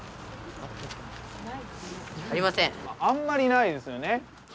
あんまりないですよね。